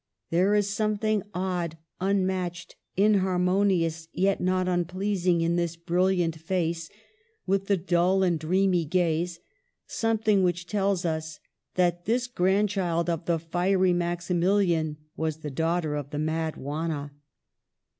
There is some thing odd, unmatched, inharmonious, yet not unpleasing, in this brilliant face with the dull and dreamy gaze, — something which tells us that this grandchild of the fiery Maximilian was the daughter of the mad Juana.